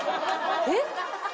えっ？